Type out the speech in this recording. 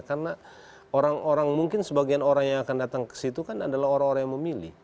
karena orang orang mungkin sebagian orang yang akan datang ke situ kan adalah orang orang yang memilih